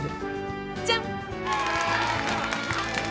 じゃん！